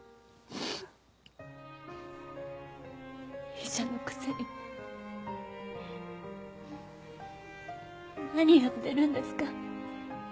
医者のくせに何やってるんですか。